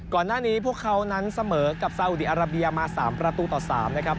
ก่อนหน้านี้พวกเขานั้นเสมอกับซาอุดีอาราเบียมา๓ประตูต่อ๓นะครับ